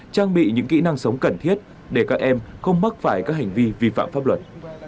trang bị những kỹ năng sống cần thiết để các em không mắc phải các hành vi vi phạm pháp luật